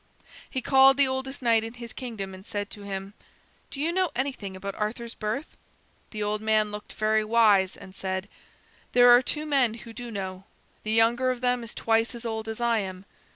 He called the oldest knight in his kingdom and said to him: "Do you know anything about Arthur's birth?" The old man looked very wise and said: "There are two men who do know; the younger of them is twice as old as I am.